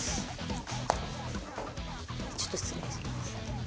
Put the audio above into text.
ちょっと失礼します。